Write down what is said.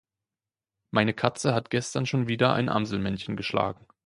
Meine Katze hat gestern schon wieder ein Amselmännchen geschlagen.